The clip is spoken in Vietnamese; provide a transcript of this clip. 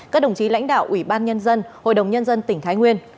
các đồng chí lãnh đạo ủy ban nhân dân hội đồng nhân dân tỉnh thái nguyên